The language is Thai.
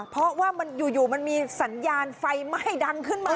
เพราะว่ามันอยู่มันมีสัญญาณไฟไหม้ดังขึ้นมา